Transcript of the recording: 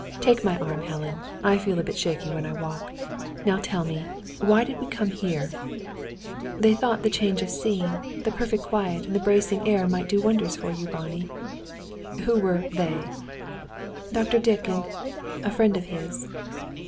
Take my arm, Helen. I feel a bit shaky when I walk. Now tell me why did we come here?" "They thought the change of scene, the perfect quiet, and the bracing air might do wonders for you, Ronnie." "Who were 'they'?" "Dr. Dick and a friend of his."